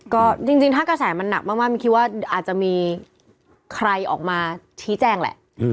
ก็จริงถ้ากระแสมันหนักมากมินคิดว่าอาจจะมีใครออกมาชี้แจงแหละ